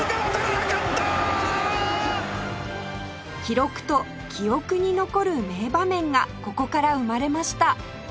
記録と記憶に残る名場面がここから生まれました